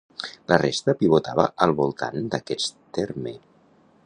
La resta pivotava al voltant d'aquest terme.